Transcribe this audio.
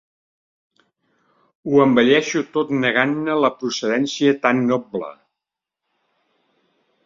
Ho embelleixo tot negant-ne la procedència tan noble.